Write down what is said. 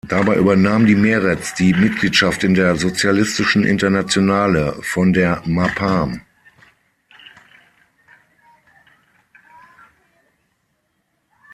Dabei übernahm die Meretz die Mitgliedschaft in der Sozialistischen Internationale von der Mapam.